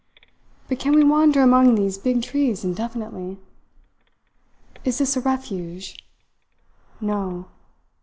But can we wander among these big trees indefinitely? Is this a refuge? No!